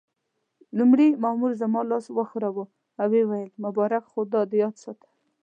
لومړي مامور زما لاس وښوراوه او ويې ویل: مبارک، خو دا یاد ساته.